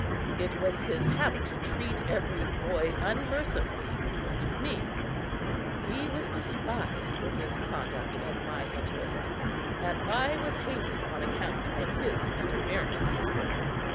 It was his habit to treat every boy unmercifully who injured me. He was despised for his conduct in my interest and I was hated on account of his interference.